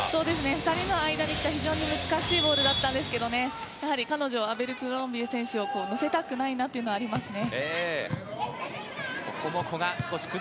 ２人の間に来た非常に難しいボールだったんですがやはり彼女アベルクロンビエ選手を乗せたくないなというのがありますね。